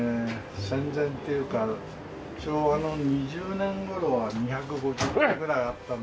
戦前っていうか昭和の２０年頃は２５０軒ぐらいあったんですけれど。